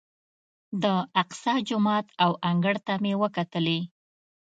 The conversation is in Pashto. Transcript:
د اقصی جومات او انګړ ته مې وکتلې.